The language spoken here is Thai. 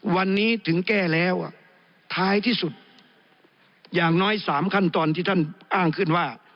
วันนี้ถึงแก้แล้วท้ายที่สุดอย่างน้อย๓ขั้นตอนที่ท่านอ้างขึ้นว่า